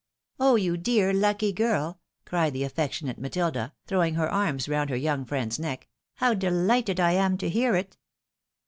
" Oh, you dear, lucky girl," cried the affectionate Matilda, throwing her arms round her young friend's neck —" How delighted I am to hear it."